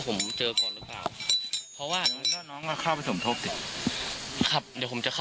เขาก็จะกลับเพราะว่ามันหาอีกท่ำไม่เจอ